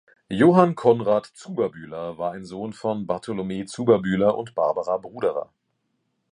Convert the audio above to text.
Johann Konrad Zuberbühler war ein Sohn von Bartholome Zuberbühler und Barbara Bruderer.